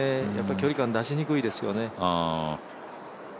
距離感、出しにくいですよね。